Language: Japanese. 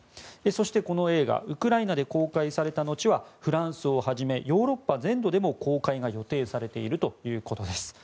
そしてこの映画ウクライナで公開された後はフランスをはじめヨーロッパ全土でも公開が予定されているということです。